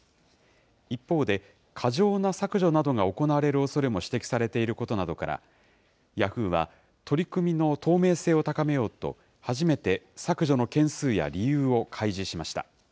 一方で、過剰な削除などが行われるおそれも指摘されていることなどから、ヤフーは、取り組みの透明性を高めようと、初めて削除の件数や理由を開示しました。